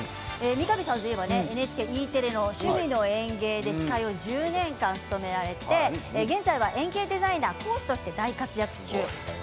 三上さんといえばＮＨＫＥテレの「趣味の園芸」で司会を１０年間、務められて現在は園芸デザイナー講師として大活躍中。